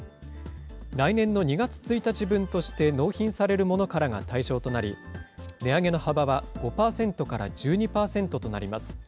来年の２月１日分として納品されるものからが対象となり、値上げの幅は５％から１２％となります。